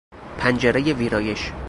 پنجرهی ویرایش